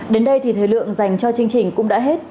đến đây thì thời lượng dành cho chương trình cũng đã hết